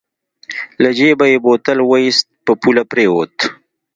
له جېبه يې بوتل واېست په پوله پرېوت.